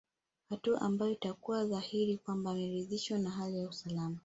Hatua ambayo itakuwa dhahiri kwamba ameridhishwa na hali ya usalama